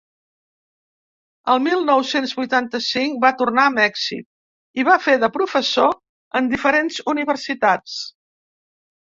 El mil nou-cents vuitanta-cinc va tornar a Mèxic i va fer de professor en diferents universitats.